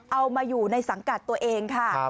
เอามาอยู่ในสังกัดตัวเองค่ะ